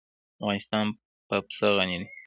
افغانستان په پسه غني دی.